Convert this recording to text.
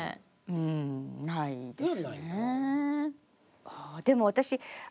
うんないですね。